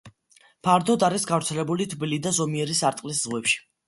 ფართოდ არის გავრცელებული თბილი და ზომიერი სარტყლის ზღვებში.